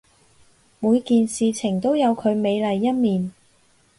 每件事物都有佢美麗一面